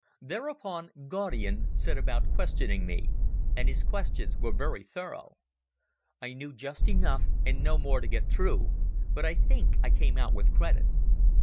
Thereupon Gaudian set about questioning me, and his questions were very thorough. I knew just enough and no more to get through, but I think I came out with credit.